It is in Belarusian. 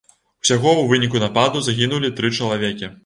Усяго ў выніку нападу загінулі тры чалавекі.